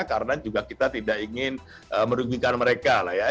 karena juga kita tidak ingin merugikan mereka lah ya